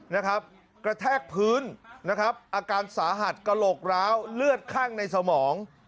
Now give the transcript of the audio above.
นะครับกระแทกพื้นนะครับอาการสาหัสกระโหลกร้าวเลือดข้างในสมอง